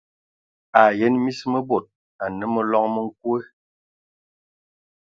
A yən mis mə bod anə məloŋ mə nkoe.